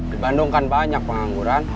di bandung kan banyak pengangguran